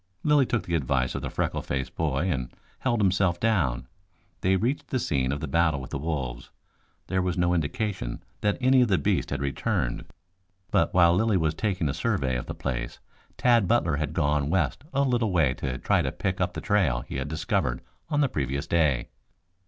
Lilly took the advice of the freckle faced boy and held himself down. They reached the scene of the battle with the wolves. There was no indication that any of the beasts had returned, but while Lilly was taking a survey of the place Tad Butler had gone west a little way to try to pick up the trail he had discovered on the previous day.